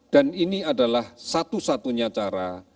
dan ini adalah satu satunya cara